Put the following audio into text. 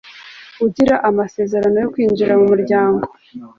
ugira amasezerano yo kwinjira mu muryango